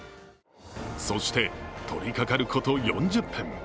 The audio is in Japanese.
そして、取りかかること４０分。